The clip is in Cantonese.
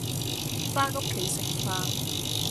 返屋企食飯